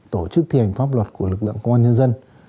tổ chức thi hành pháp luật của lực lượng công an nhân dân